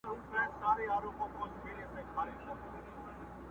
ورته څیري تر لمني دي گرېوان کړه٫